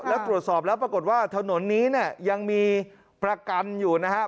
แล้วตรวจสอบแล้วปรากฏว่าถนนนี้เนี่ยยังมีประกันอยู่นะครับ